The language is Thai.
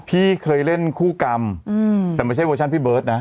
พี่เคยเล่นคู่กรรมแต่ไม่ใช่เวอร์ชันพี่เบิร์ตนะ